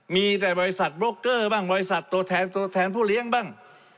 มีแต่บริษัทโบรกเกอร์บ้างบริษัทตัวแทนตัวแทนผู้เลี้ยงบ้าง